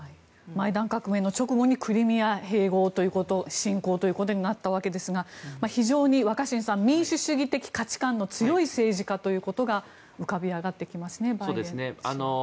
マイダン革命の直後にクリミア併合侵攻ということになったわけですが若新さん非常に民主主義的価値観が強い政治家ということが浮かび上がってきますね。